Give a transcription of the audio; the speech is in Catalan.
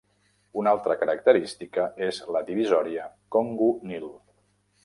Una altra característica és la Divisòria Congo-Nil.